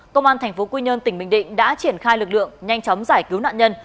công an tp quy nhơn tỉnh bình định đã triển khai lực lượng nhanh chóng giải cứu nạn nhân